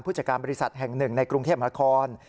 จัดการบริษัทแห่งหนึ่งในกรุงเทพมหาคอน